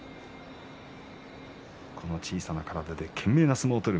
この小さな体で懸命な相撲取る翠